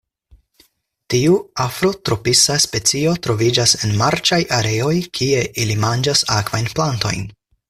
Tiu afrotropisa specio troviĝas en marĉaj areoj kie ili manĝas akvajn plantojn.